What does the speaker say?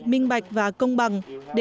minh bạch và hợp lợi